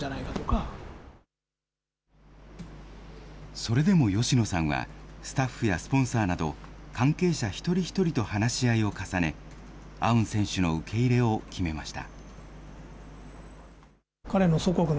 それでも吉野さんは、スタッフやスポンサーなど、関係者一人一人と話し合いを重ね、アウン選手の受け入れを決めました。